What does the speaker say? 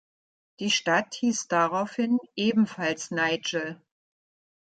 Die Stadt hieß daraufhin ebenfalls Nigel.